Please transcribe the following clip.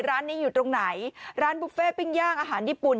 ร้านนี้อยู่ตรงไหนร้านบุฟเฟ่ปิ้งย่างอาหารญี่ปุ่น